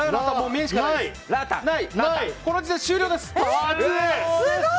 この時点で終了です。